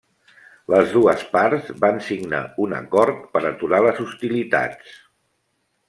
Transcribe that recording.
Les dues parts van signar un acord per aturar les hostilitats.